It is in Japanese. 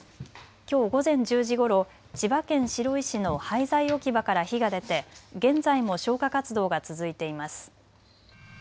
きょう午前１０時ごろ千葉県白井市の廃材置き場から火が出て現在も消火活動が続いています。